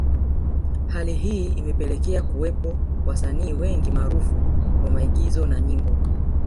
Hali hii imepelekea kuwepo wasanii wengi maarufu wa maigizo na nyimbo